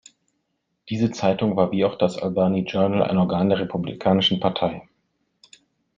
Diese Zeitung war wie auch das "Albany Journal" ein Organ der Republikanischen Partei.